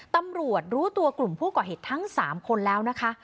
ตำรวจรู้ตัวกลุ่มผู้ก่อเหตุทั้ง๓คนแล้วนะคะ